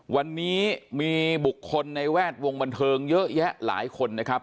วันนี้มีบุคคลในแวดวงบันเทิงเยอะแยะหลายคนนะครับ